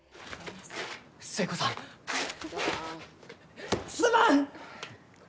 寿恵子さんすまん！